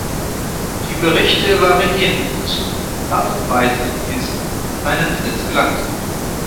Die Berichte variieren in Bezug auf die Art und Weise, wie es in seinen Besitz gelangte.